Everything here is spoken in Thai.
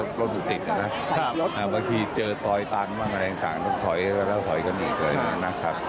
เพราะถูกติดนะครับบางทีเจอถอยต่างต้องถอยแล้วถอยกันอีกเลยนะครับ